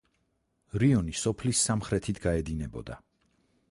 რიონი სოფლის სამხრეთით გაედინებოდა.